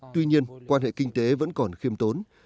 tuy nhiên quan hệ kinh tế vẫn còn khiêm tốn